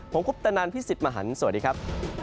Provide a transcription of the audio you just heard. ผมคุปตะนันพี่สิทธิ์มหันฯสวัสดีครับ